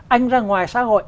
anh ra ngoài xã hội